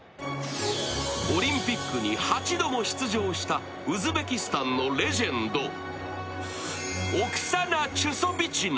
オリンピックに８度も出場したウズベキスタンのレジェンド、オクサナ・チュソビチナ。